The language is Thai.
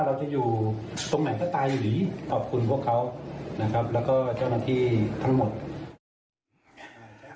แล้วก็เจ้าหน้าที่ทั้งหมด